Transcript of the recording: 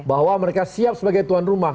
bahwa mereka siap sebagai tuan rumah